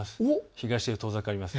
東へ遠ざかります。